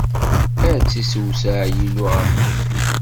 Ad tt-issewseɛ Yillu ɣef Yifit!